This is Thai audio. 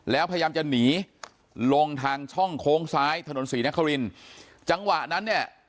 แล้วพยายามจะหนีลงทางช่องโค้งซ้ายถนนศรีนครินจังหวะนั้นเนี่ย